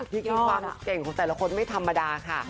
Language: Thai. จริงความเก่งของแต่ละคนไม่ธรรมดาค่ะ